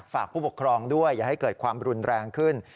ผู้ปกครองด้วยอย่าให้เกิดความรุนแรงขึ้น